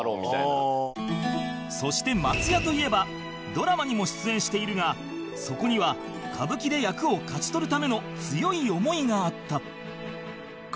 そして松也といえばドラマにも出演しているがそこには歌舞伎で役を勝ち取るための強い思いがあった